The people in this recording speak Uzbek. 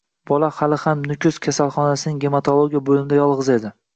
Bola hali ham Nukus kasalxonasining gematologiya bo'limida yolg'iz edi